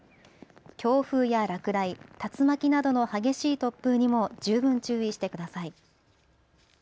強風や落雷、竜巻などの激しい突風にも十分注意してください。